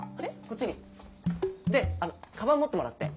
こっちに。でカバン持ってもらって。